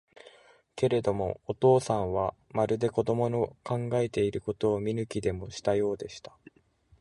けれども、お父さんは、まるで子供の考えていることを見抜きでもしたようでした。